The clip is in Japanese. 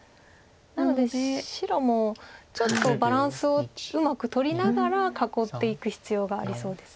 なので白もちょっとバランスをうまくとりながら囲っていく必要がありそうです。